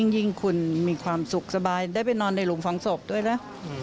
ยิ่งคุณมีความสุขสบายได้ไปนอนในหลุมฝังศพด้วยนะ